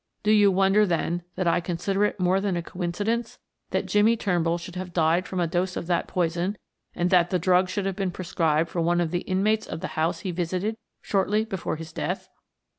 "Do you wonder then, that I consider it more than a coincidence that Jimmie Turnbull should have died from a dose of that poison, and that the drug should have been prescribed for one of the inmates of the house he visited shortly before his death?"